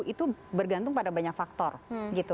itu bergantung pada banyak faktor gitu